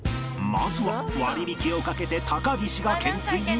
まずは割引を懸けて高岸が懸垂に挑戦。